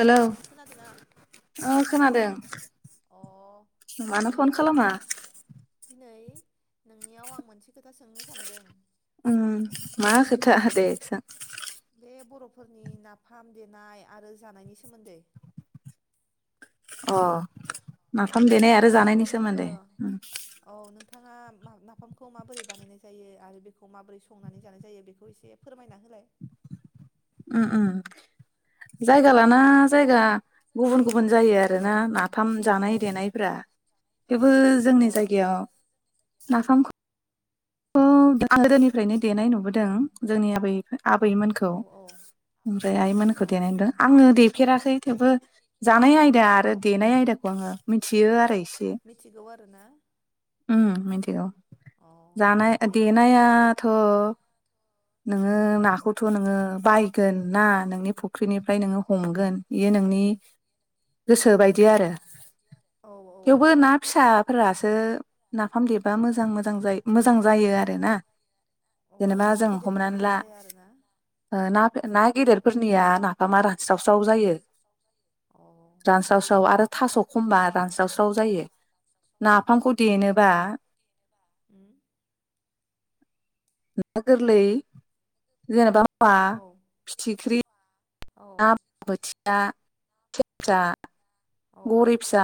Hello खोनादोना औ खोनादों अ मानो फन खालामा दिनै नोंनियाव आं मोनसे खोथा सोंनो सानदों उम मा खोथा दे सों बे बर'फोरनि नाफाम देनाय आरो जानायनि सोमोन्दै अ अ नाफाम देनाय नोंथाङा आरो जानायनि माबाफोर ओ सोमोन्दै औ नोंथाङा नाफामखौ माबोरै बानायनाय जायो आरो बेखौ माबोरै संनानै जानाय जायो बेखौ एसे फोरमायना होलाय जायगा लाना जायगा गुबुन गुबुन जायो आरे ना नाफाम औ जानाय देनायफ्रा बेबो औ जोंनि जायगायाव नाफामखौ गोदोनिफ्रायनो देनाय नुबोदों जोंनि आबै आबैमोनखौ औ औ ओमफ्राय आइमोनखौ औ देनाय नुदों आङो थुफेराखै थेवबो जानाय आयदा आरो देनाय आयदाखौ आङो मिथियो आरो एसे मिथिगौ आरोना उम मिथिगौ अ जानाय दे देनायाथ' नोङो नाखौथ' नोङो बायगोन ना नोंनि फुख्रिनिफ्राय नोङो हमगोन एयो नोंनि गोसो बाय दि आरो औ औ थेवबो औ ना फिसा फोरासो नाफाम देबा मोजां मोजां जायो। मोजां जायो आरो ना। अ जेनेबा ना जों गेदेरफोरा हमनानै मोजां ला जाया आरोना ओ नाफ नायख गेदेरफोरनिया नाफामा रानस्रावस्राव जायो। अ रान स्राव स्राव आरो थास' खमबा रानस्रावस्राव जायो। नाफामखौ उम देनोबा उम ना गोरलै जेनेबा बा औ फिथिख्रि औ ना बोथि या [unintelligible] औ गघरि फिसा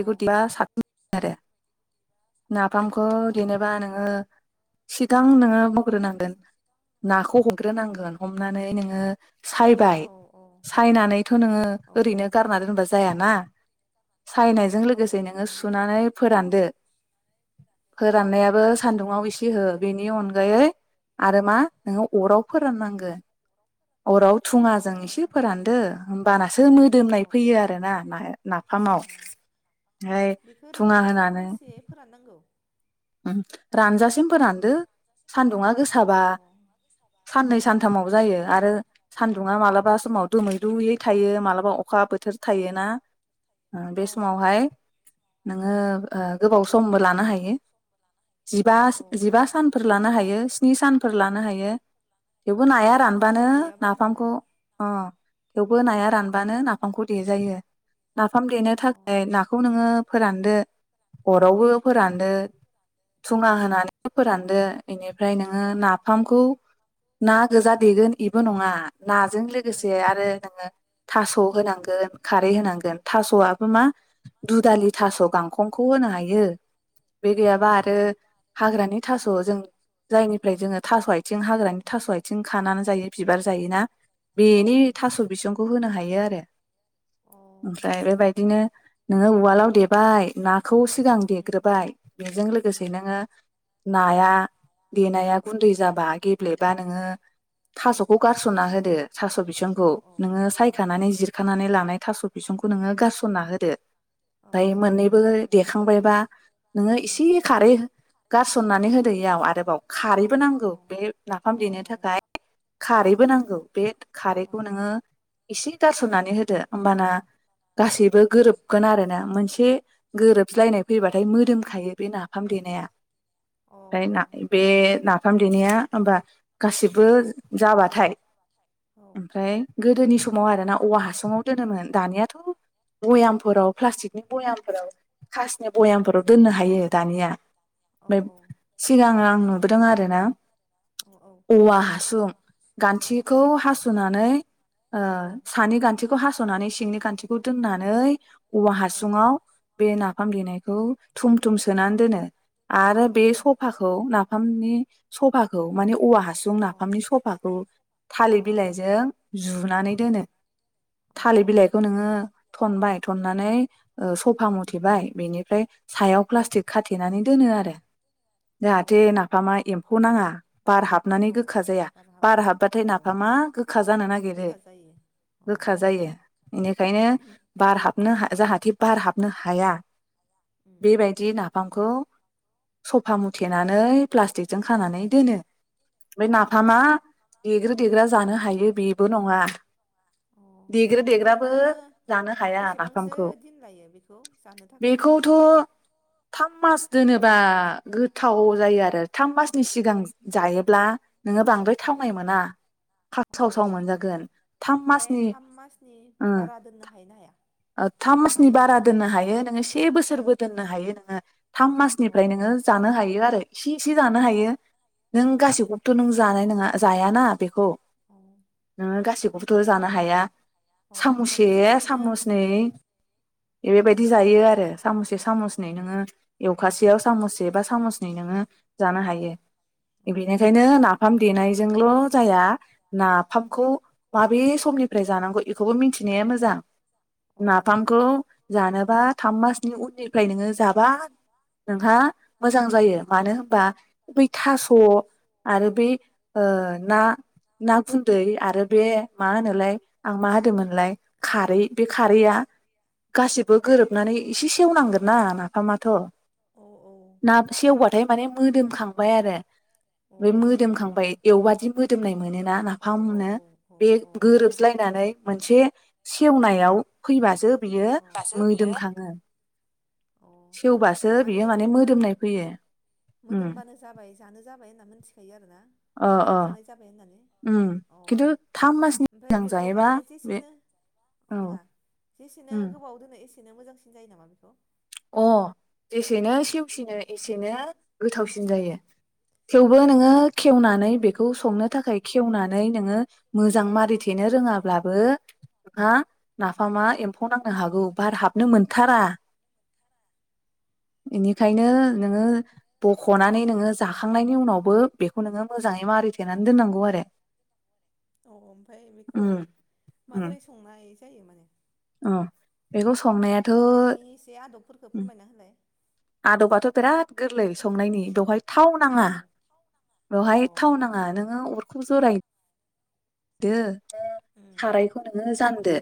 औ देब्ला साबसिन आरो ना नाफामखौ औ देनोबा नोङो? सिगां नोङो मावग्रोनांगोन नाखौ हमग्रोनांगोन हमनानै नोङो सायबाय औ सायनानैथ' नोङो औ ओरैनो गारना दोनबा जायाना। सायनायजों औ लोगोसे औ नोङो नंगौ दे सुनानै फोरानदो उम फोराननायाबो सान्दुङआव ए से हो बेनि अनगायै आरो मा नोङो अराव फोराननांगोन। अराव अ थुङाजों इसे फोरानदो होमबानासो औ मोदोमनाय औ फैयो आर ना नाया। नाफामाव अ ओमफ्राय बेखौ थुङा ओरैनो होनानै सानबेसे [inaudible] रानजासिम फोरानदो सान्दुङा गोसाबा गोसाबा साननै सानथामाव जायो आरो सान्दुंङा मालाबा समाव दोमैलुयै थायो मालाबा अखा बोथोर थायोना। ओ बे समावहाय नोङो ओ गोबाव समबो लानो हायो। जिबा जिबा सानफोर लानो हायो। स्नि सानफोर लानो हायो। थेवबो नाया हायो। औ रानबानो सान्दुं नाफामखौ अ थेवबो नाया रानबानो नाफामखौ देजायो नाफाम देनो अ थाखाय नाखौ नोङो फोरानदो अरावबो औ फोरानदो सुंङा होनानै फोरान दो बेनिफ्राय नोङो औ नाफामखौ ना गोजा देगोन इबो नङा नाजों औ लोगोसे आरो नोङो थास' होनांगोन खारै होनांगोन थास'आबो मा दु दालि थास' गांखंखौ होनो हायो बे औ गैयाबा आर हाग्रानि थास' जों जायनिफ्राय जोङो थास' आथिं हाग्रानि थास' आथिं खानानै जायो बिबार जायोना बेनि होनो हायो थास' बिसंखौ होनो हायो आरो ओमफ्राय बेबायदिनो नोङो उवालाव देबाय ना खौ सिगां देग्रोबाय बेजों देनाया गुन्दै लोगोसे नोङो नाया देनाया गुन्दै जाबा गेब्लेबा नोङो नोङो थास'खौ गारस'ना होदो थास' बिसांखौ नोङो सायखानानै जिरखानानै लानाय थास' बिसंखौ नोङो गारसनना होदो औ दायो औ मोनैबो दे खांबायबा नोङो एसे ओरैनो खारै गारसननानै होदो इयाव आरोबाव खारैबो नांगौ बे नाफाम देनो खारैबो थाखाय खारैबो अनला नांगौ बे खारैखौ नोङो एसे गारसननानै होदो होमबाना गासैबो गोरोबगोन आरोना मोनसे गोरोबज्लायनाय फैबाथाय मोदोमखायो बे ना फाम देनाया ओमफ्राय ना बे ना फाम देनाया होमबा गासिबो जाबाथाय खारैखौ नोङो ओमफ्राय गोदोनि समाव आरोना औवा हासुङाव दोनोमोन दानियाथ' भयामफोराव प्लास्टिकनि भयामफोराव खासनि भयामफोराव दोननो हायो या सिगां आं नुबोदों आरोना औ औवा हासुं गान्थिखौ हासुनानै ओ औ सानि गान्थिखौ हास सनानै सिंनि गान्थिखौ दोननानै औवा औ हासुङाव बे ना हामलिनायखौ थुम औ सोनानै दोनो आरो दोनो बे औ सफाखौ नाफामनि सफाखौ मानि औवा हासुं नाफामनि सफाखौ थालिर औ बिलाइजों जु नानै दोनो अ थालिर बिलाइखौ नोङो थनबाय थननानै ओ सफा मुथेबाय बेनिफ्राय सायाव प्लास्टिक खाथेनानै दोनो आरो अ जाहाथे नाफामा एम्फौ नाङा बार हाबनानै औ गोखा औ जाया बार हाबा औ हाबबाथाय औ नाफा मा गोखा जानो नागिरो गोखा गोखा जायो बेनिखायनो बार हाबनो जाहा दे बार हाबनो हाया उम बेबायायदि ना फामखौ सफा मुथेनानै प्लास्टिकजों खानानै दोनो बे अ नाफामा बे देग्रो देग्रा जानो हायो बेबो नङा अ देग्रो देग्राबो ओरैनो जानो हाया बेसेबांसो नाफामखौ दिन लायो बेखौ जानो थाखाय बेखौथ थाम मास दोनोबा गोथाव जायो आरो थाम मासनि सिगां जायोब्ला नोङो बांद्राय अ थावनाय मोना अ खागसाव साव मोनजागोन थाम ओमफ्राय मासनि थाम मासनि ओं बारा दोननो हायो ना हाया थाम मासनि ओरैनो बारा दोननो हायो नोङो से बोसोरबो दोननो हायो नों [unintelligible] थाम अ मासनिफ्राय नोङो जानो हायो आरो इसे इसे जानो हायो नों अ गासैखौबोथ नों जानाय नङा जायाना बेखौ नों गासै खौबोथ जानो हाया अ सामुसे माने जेसेनो सामुसनै अ बेबायदि जायो आरो सामुससे सामसनै नोङो एवखासेयाव सामस से बा सामसनै नोङो जानो हायो अ बेनिखायनो ना- फाम देनायजोंल जाया नाफामखौ माबे समनिफ्राय जानांगौ बेखौबो मिथिनाया मोजां अ नाफामखौ जानोबा थाम मासनि उननिफ्राय नोङो जाबा नोंहा मोजां जायो मानो होनबा बै थास' आरो बै ओ ना ना गुन्दै आरो बे मा होनोलाय आं मा होदोंमोन लाय खारै बे खारैआ गासिबो गोरोबनानै एसे सेवनांगोन ना हा माथ औ औ ना सेवबाथाय माने मोदोमखांबाय आरो अ औ बे मोदोमखांबाय एवबादि मोदोमनाय मोनोना औ औ नाफामनो औ औ बे गोरोबज्लायनानै मोनसे सेवनायाव फैबासो बियो मोदोमखाङो। अ औ सेवबासो माने बियो बेखो मोदोमनाय फैयो उम मोदोमबानो जाबाय जानो जाबाय होनना मोन्थिखायो आरोना अ अ जाजानाय जाबाय होननानै उम औ खिन्थु थाम मासनि ओमफाय सिगां बेखौ जायोबा माने बे जेसेनो अ औ नङा जेसे नो उम गोबाव दोनो एसेनो मोजांसिन जायो नामा बेखौ अ जेसेनो सेवसिनो एसेनो गोथावसिन जायो थेवबो नोङो औ खेवनानै बेखौ संनो थाखाय खेवनानै नोङो मोजां मारिथेनो रोङाब्लाबो नोंहा नाफामा एम्फौ नांनो हागौ बार हाबनो मोनथारा इनिखायनो नोङो बख'नानै नोङो जाखांनायनि उनावबो बेखौ नोङो मोजाङै मारिथेनानै दोननांगौ आरो। अ ओमफाय बेखौ उम उम माबोरै संनाय जायो माने अ बेखौ संनायाथ' संनायनि एसे आदबफोरखो फोरमायना होलाय। आदबाथ' बिराद गोरलै संनायनि बेवहाय थाव औ नाङा औ बेवहाय थाव नाङा नोङो अरखौ जराय दो उम सारायखौ नोङो जान दो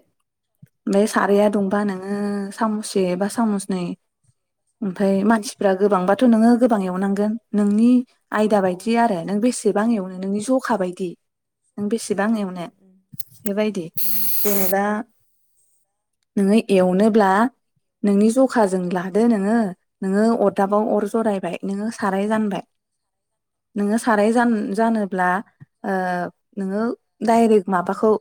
ओमफाय साराया दुंबा नोङो सामुससे बा सामुसनै ओमफाय मानसिफ्रा गोबांबाथ' नोङो गोबां एवनांगोन नोंनि आयदा औ बायदि आरो औ नों बेसेबां एवनो नोंनि औ ज'खा बायदि नों बेसे सेबां एवनो उम उम बेबायदि औ जेनेबा नोङो एवनोब्ला नोंनि जख खाजों औ लादो नोङो नोङो अदाबाव अर औ जरायबाय नोङो साराय जानबाय। औ नोङो साराय जान जानोब्ला ओ नोङो डायरेक माबाखौ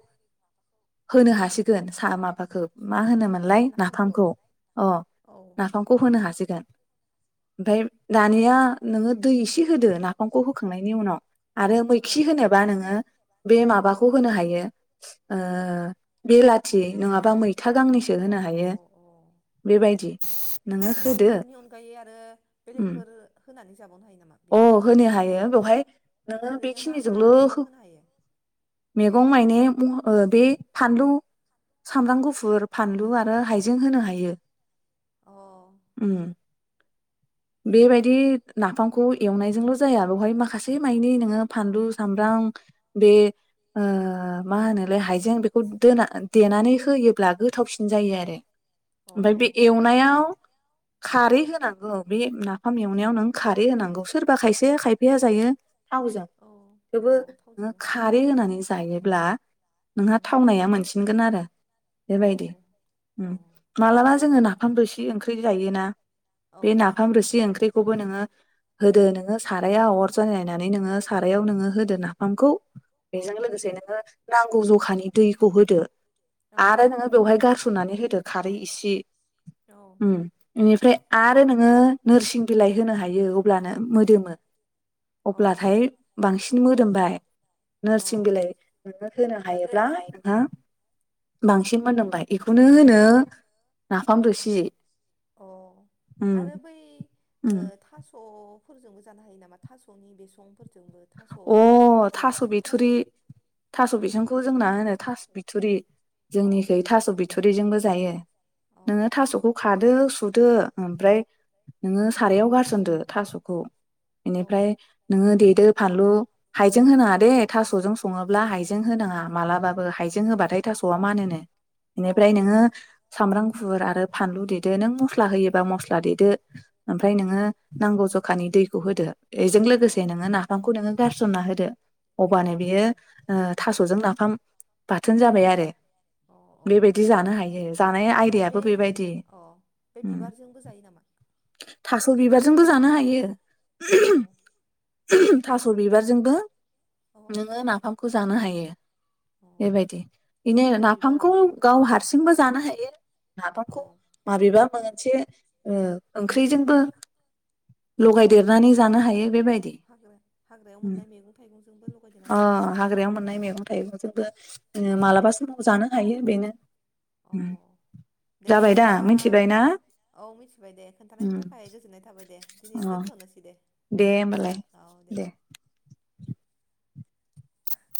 होनो हासिगोन सा माबाखो मा होनो मोन लाय नाफामखौ अ औ नाफामखौ होनो हासिगोन। ओमफाय दानिया नोङो दै इसे होदो नाफामखौ होखांनायनि उनाव। आरो औ मैखि होनोबा नोङो बाखौ होनो हायो ओ बेलाथि नङाबा मै था गांनैसो अ होनो हायो अ अ बेबायदि। [unintelligible] अ होदो बेफोरनि अनगायै आरो उम बेलेगफोर होनानै जाबावनो हायो नामा अ बे होनो हायो बेवहाय नोङो ओरैनो मा मा बेखिनिजोंल मैगं हो होनो हायो मैगं मने ओ बे फानलु सामब्राम गुफुर फानलु आरो हायजें होनो हायो। अ उम। बेबायदि नाफाम खौ एवनायजोंल जाया बेवहाय माखासे मानि नोङो फानलु सामब्राम बे ओ माहोनोलाय हायजें बेखौ दोना देनानै होयोब्ला गोथावसिन जायो आरो। अ ओमफ्राय बे एवनायाव खारै होनांगौ बे नाफाम एवनायाव नों खारै खारै होनांगौ सोरबा खायसे खायफाया जायो। थावजों औ थेवबो औ नों थावजों खारै होनानै जायो। ब्ला नोंहा उम थावनाया मोनसिनगोन आरो औ बेबायदि औ ओं मालाबा जोङो ना ओंखाम रोसि ओंख्रि जायोना। औ बे औ नाफाम रोसि ओंख्रिखौ बो नोङो होदो नोङो सारायाव अर जरायनानै नोङो सारायाव नोङो होदो नाफामखौ बेजों लोगोसे नोङो नांगौ जखानि दैखौ होदो। आरो औ नोङो बेवहाय गारस लुनानै होदो खारै इसे। उम इनि ओमफ्राय आरो नोङो नोरसिन बिलाइ होनो हायो। अब्लानो मोदोमो। औ अब्लाथाय बांसिन मोदोमबाय अ नोरसिन अ बिलाइ नोङो होनो हायोब्ला नोंहा बांसिन मोदोमबाय बेखौनो होनो नाफाम रोसि। अ उम आरो बै ओ उम थास फोरजोंबो जानो हायो नामा थासनि बेसंफोरजोंं। जोंबो थास अ बिथ्रिफोरजों थास थास' बिसंखौ जोंना होनो थास बिथुरि। औ जोंनिखि थास बिथरि बिथुरिजोंबो जायो। औ नोङो थासखौ खा दो सुदो ओमफ्राय नोङो सारायाव गारसनदो थासखौ औ बेनिफ्राय नोङो दे फानलु हाइजें होनाङा दे थासजों सङोब्ला हाइजें होनाङा मालाबाबो हाइजें होबाथाय थासआ मानोनो औ बेनिफ्राय नोङो सामब्राम गुफुर आरो फानलु देदो नों मस्ला होयोबा मस्ला देदो औ ओमफ्राय नोङो नांगौ ज जखानि दैखौ होदो बेजों औ लोगोसे नोङो ना खौ नोङो गारसनना होदो अ अबानो बियो थासजों नाफाम बाथोन जाबाय आरो अ बेबायदि जानो हायो जानाय ओमफ्राय आयदायाबो बे बेबायदि अ बे उम बिबारजोंबो जायो नामा थास थास'नि बिबारजोंबो बिबारजों जानो हायो अ थास बिबारजोंबो अ नोङो नाफामखौ खौ जानो हायो अ बेबायदि बिनो थास' नाफामखौ बिबारजों गाव हारसिंबो जानो हायो नाफामखौ औ माबेबा मोन मोनसे ओ ओंख्रिजोंबो औ लगायदेरनानै जानो हायो बेबायदि हाग्रा हाग्रायाव उम मोननाय मैगं थाइगंजोंबो लगायदेरना ओ जानो हायो आरोना हाग्रायाव अ मोननाय मैगं थाइगंजोंबो ओ मालाबा समाव जानो हायो बेनो औ उम दे जाबाय दा बिदिबा मिथिबाय ना औ मिथिबाय दे उम खोन्थानायनि थाखाय गोजोननाय थाबाय दे दिनै अ दोनथनोसै दे दे होमबालाय औ दे [unintelligible]